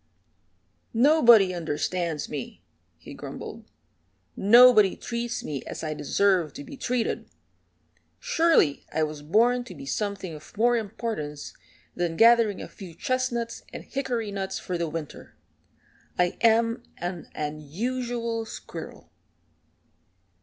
"Nobody understands me," he grumbled. "Nobody treats me as I deserve to be treated. Surely I was born to be something of more importance than gathering a few chestnuts and hickory nuts for the winter. I am an unusual squirrel."